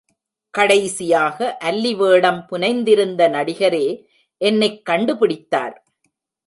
கடைசியாக அல்லிவேடம் புனைந்திருந்த நடிகரே என்னைக் கண்டுபிடித்தார்.